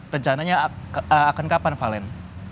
rencananya akan kapan valen